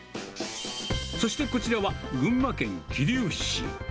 そして、こちらは群馬県桐生市。